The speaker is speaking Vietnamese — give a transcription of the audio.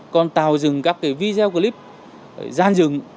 còn tạo dừng các video clip gian dừng